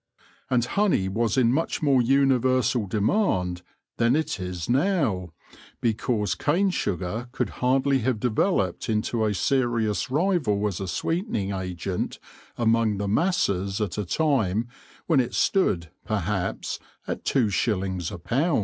And honey was in much more universal demand than it is now, because cane sugar could hardly have developed into a serious rival as a sweeten ing agent among the masses at a time when it stood, perhaps, at two shillings a pound.